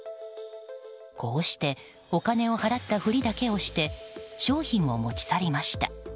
こうしてお金を払ったふりだけをして商品を持ち去りました。